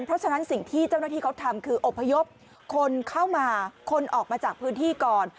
เพราะฉะนั้นสิ่งที่เจ้าหน้าที่เขาทำคืออบพยพคนเข้ามาคนออกมาจากพื้นที่ก่อน